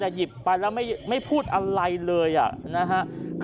แต่หยิบไปแล้วไม่พูดอะไรเลยนะฮะ